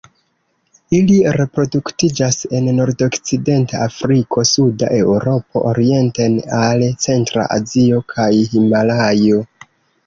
Ili reproduktiĝas en nordokcidenta Afriko, suda Eŭropo orienten al centra Azio, kaj Himalajo.